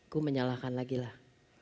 gue menyalahkan lagi lah